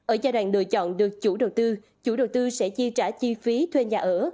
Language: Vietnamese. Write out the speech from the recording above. ở giai đoạn lựa chọn được chủ đầu tư chủ đầu tư sẽ chi trả chi phí thuê nhà ở